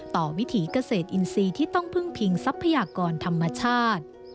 วิถีเกษตรอินทรีย์ที่ต้องพึ่งพิงทรัพยากรธรรมชาติ